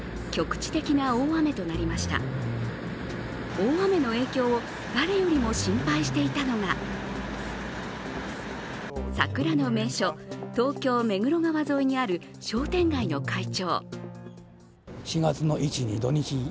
大雨の影響を誰よりも心配していたのが桜の名所、東京・目黒川沿いにある商店街の会長。